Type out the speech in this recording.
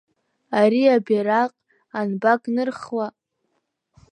Ари абираҟ анбакнырхуа?